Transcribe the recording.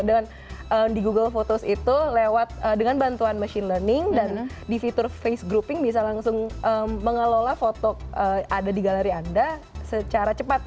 dan di google photos itu lewat dengan bantuan machine learning dan di fitur face grouping bisa langsung mengelola foto ada di galeri anda secara cepat